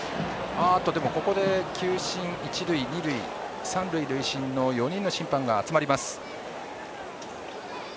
球審、一塁、二塁三塁塁審の４人の審判が集まります。